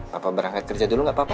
papa berangkat kerja dulu nggak papa